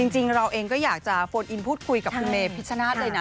จริงเราเองก็อยากจะโฟนอินพูดคุยกับคุณเมพิชชนาธิ์เลยนะ